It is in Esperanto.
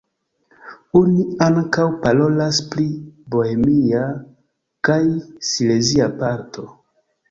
Oni ankaŭ parolas pri bohemia kaj silezia parto.